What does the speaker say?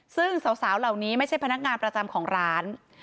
ซึ่งสาวเหล่านี้ไม่ใช่พนักงานประจำของร้าน